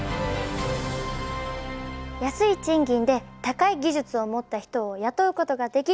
安い賃金で高い技術を持った人を雇うことができる。